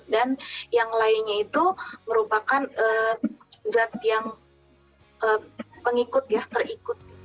dan yang lainnya itu merupakan zat yang pengikut ya terikut